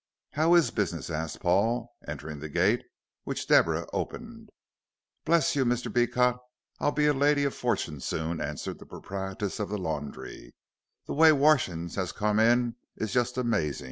"How is business?" asked Paul, entering the gate, which Deborah opened. "Bless you, Mr. Beecot, I'll be a lady of forting soon," answered the proprietress of the laundry, "the way washing 'ave come in is jest amazin'.